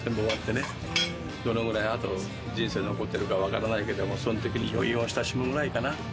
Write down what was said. どのくらいあと人生残ってるかわからないけれど、その時に余韻を親しむくらいかな。